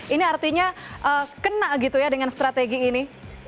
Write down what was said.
ini artinya kena gitu ya dengan strategi ini